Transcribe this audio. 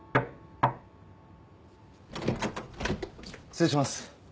失礼します。